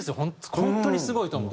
本当にすごいと思う。